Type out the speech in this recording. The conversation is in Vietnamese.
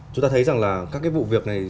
chúng ta thấy rằng là các vụ việc này